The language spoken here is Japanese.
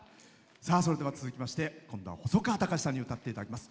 それでは、続きまして今度は細川たかしさんに歌っていただきます。